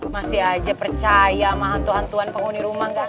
masih aja percaya sama hantu hantuan penghuni rumah gak